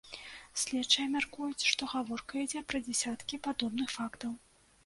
Следчыя мяркуюць, што гаворка ідзе пра дзясяткі падобных фактаў.